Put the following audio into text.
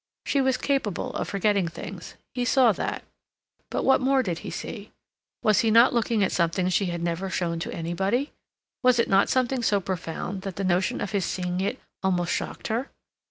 She was capable of forgetting things. He saw that. But what more did he see? Was he not looking at something she had never shown to anybody? Was it not something so profound that the notion of his seeing it almost shocked her?